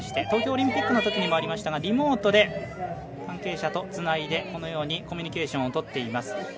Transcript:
東京オリンピックのときもありましたがリモートで関係者とつないでこのようにコミュニケーションを取っています。